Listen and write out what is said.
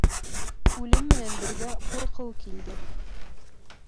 Үлем менән бергә Ҡурҡыу килде.